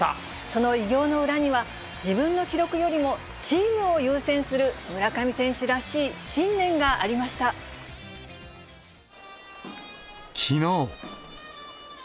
その偉業の裏には、自分の記録よりもチームを優先する村上選手らしい信念がありましきのう。